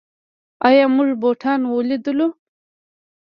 آیا موږ بوټان تولیدوو؟